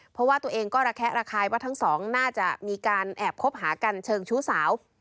เพราะว่าตัวเองก็ระแคะระคายว่าทั้งสองน่าจะมีการแอบคบหากันเชิงชู้สาว